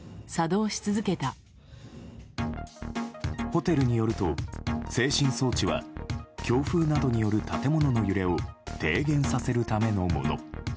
ホテルによると、制振装置は強風などによる建物の揺れを低減させるためのもの。